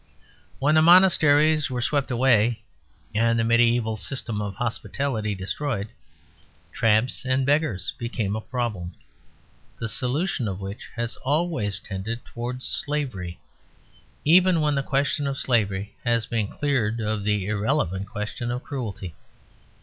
When the monasteries were swept away and the mediæval system of hospitality destroyed, tramps and beggars became a problem, the solution of which has always tended towards slavery, even when the question of slavery has been cleared of the irrelevant question of cruelty.